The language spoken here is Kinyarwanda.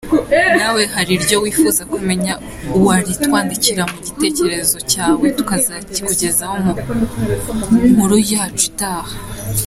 Nawe hari iryo wifuza kumenya waritwandikira mu gitejerezo cyawe tukazarikugezaho mu nkuru yacu itaha.